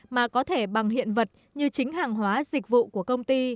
mà có thể bằng hiện vật như chính hàng hóa dịch vụ của công ty